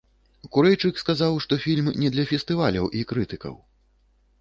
Курэйчык сказаў, што фільм не для фестываляў і крытыкаў.